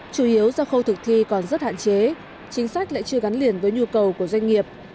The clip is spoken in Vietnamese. chủ yếu do khâu thực thi còn rất hạn chế chính sách lại chưa gắn liền với nhu cầu của doanh nghiệp